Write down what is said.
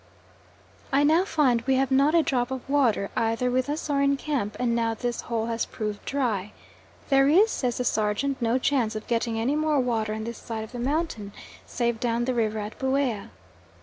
I now find we have not a drop of water, either with us or in camp, and now this hole has proved dry. There is, says the sergeant, no chance of getting any more water on this side of the mountain, save down at the river at Buea.